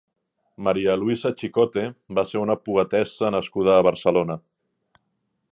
María Luisa Chicote va ser una poetessa nascuda a Barcelona.